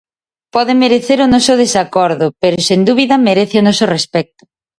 Pode merecer o noso desacordo pero, sen dúbida, merece o noso respecto.